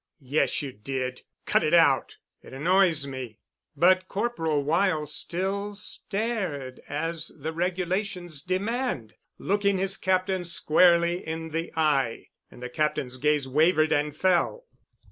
"Yes, you did. Cut it out. It annoys me." But Corporal Weyl still stared as the regulations demand, looking his Captain squarely in the eye. And the Captain's gaze wavered and fell.